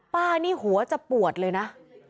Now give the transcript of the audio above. ป้านี่หัวจะปวดเลยนะ